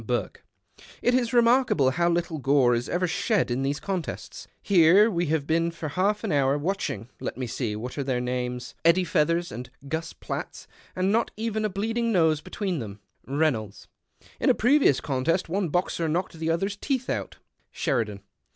Burke. —" It is remarkable how little gore is ever shed in these contests. Here have we been for half an hour watching — let me see, what are their names ?— 30 DR. JOHNSON AT THE STADIUM Eddie Feathers and Gus Platts — and not even a bleeding nose between them/' Reynolds. —" In a previons contest one boxer knocked the other's teeth out." Sheridan.